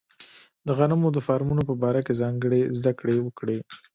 د غنمو د فارمونو په باره کې ځانګړې زده کړې وکړي.